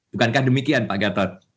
bukankah demikian pak gatot